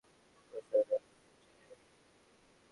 ওর সাথে দেখা করতে চাই আমি!